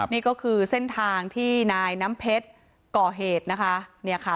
นี่ก็คือเส้นทางที่นายน้ำเพชรก่อเหตุนะคะเนี่ยค่ะ